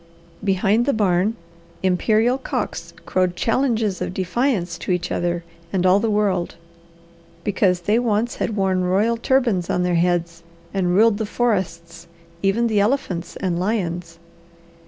Behind the barn imperial cocks crowed challenges of defiance to each other and all the world, because they once had worn royal turbans on their heads, and ruled the forests, even the elephants and lions.